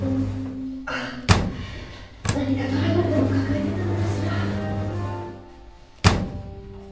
何かトラブルでも抱えてたのかしら？